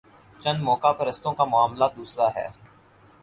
چند موقع پرستوں کا معاملہ دوسرا ہے۔